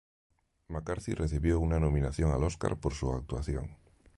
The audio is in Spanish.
McCarthy recibió una nominación al Oscar por su actuación.